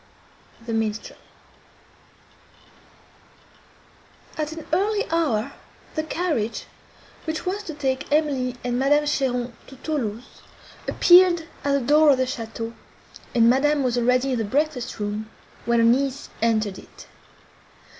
THE MINSTREL At an early hour, the carriage, which was to take Emily and Madame Cheron to Thoulouse, appeared at the door of the château, and Madame was already in the breakfast room, when her niece entered it.